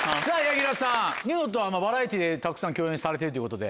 ニノとはバラエティーでたくさん共演されてるということで。